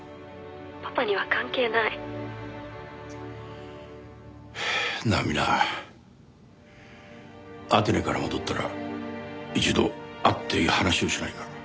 「パパには関係ない」なあミナアテネから戻ったら一度会って話をしないか？